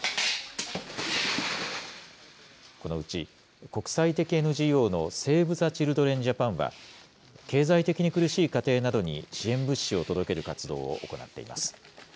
このうち、国際的ＮＧＯのセーブ・ザ・チルドレン・ジャパンは、経済的に苦しい家庭などに支援物資を届ける活動を行っています。